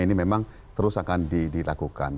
ini memang terus akan dilakukan